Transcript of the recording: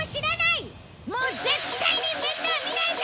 もう絶対に面倒見ないぞ！！